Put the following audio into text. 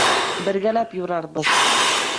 Бергәләп юрарбыҙ.